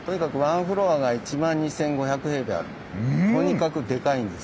とにかくでかいんです。